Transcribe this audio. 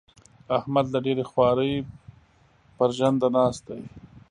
احمد له ډېرې خوارۍ؛ پر ژنده ناست دی.